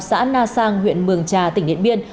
xã na sang huyện mường trà tỉnh điện biên